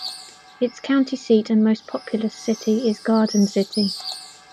Its county seat and most populous city is Garden City.